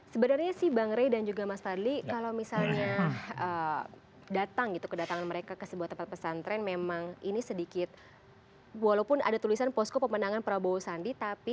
sebenarnya sih bang rey dan juga mas fadli kalau misalnya datang gitu kedatangan mereka ke sebuah tempat pesantren memang ini sedikit walaupun ada tulisan posko pemenangan prabowo sandi